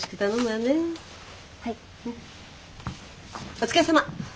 お疲れさま。